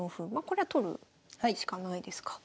これは取るしかないですか。